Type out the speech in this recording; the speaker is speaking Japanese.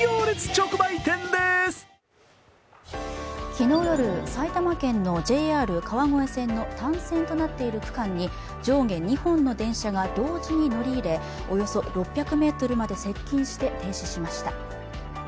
昨日夜、埼玉県のＪＲ川越線の単線となっている区間に上下２本の電車が同時に乗り入れ、およそ６００ｍまで接近して停止しました。